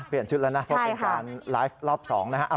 ชุดแล้วนะเพราะเป็นการไลฟ์รอบ๒นะฮะ